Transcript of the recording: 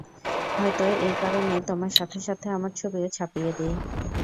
হয়তো এই কারণে তোমার সাথে সাথে আমার ছবিও ছাপিয়ে দেয়।